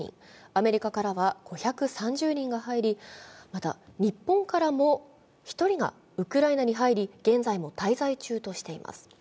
アメリカからは５３０人が入り、また、日本からも１人がウクライナに入り、現在も滞在中としています。